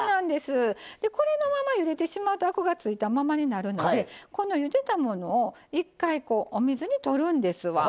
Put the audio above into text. これのままゆでてしまうとアクがついたままになるのでこのゆでたものを一回お水にとるんですわ。